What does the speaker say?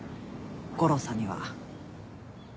悟郎さんには。